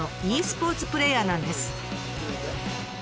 スポーツプレーヤーなんです。